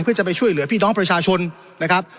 เพื่อจะไปช่วยเหลือพี่น้องประชาชนนะครับ